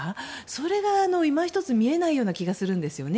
それが、いま一つ見えないような気がするんですよね。